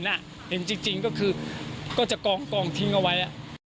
เห็นจริงก็คือก็จะกองทิ้งเอาไว้